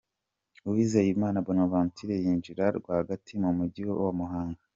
Uwizeyimana Bonaventure yinjira rwa gati mu mujyi wa Muhanga.